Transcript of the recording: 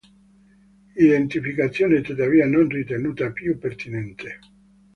Identificazione tuttavia non ritenuta più pertinente.